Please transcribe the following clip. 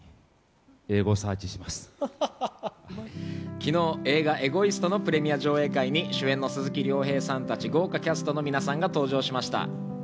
昨日、映画『エゴイスト』のプレミア上映会に主演の鈴木亮平さんたち豪華キャストの皆さんが登場しました。